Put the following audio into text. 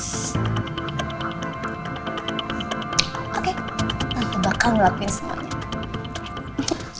oke tante bakal ngelakuin semuanya